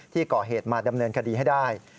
ที่ก่อเหตุมาดำเนินคดีให้ได้